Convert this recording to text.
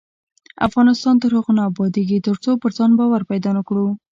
افغانستان تر هغو نه ابادیږي، ترڅو پر ځان باور پیدا نکړو.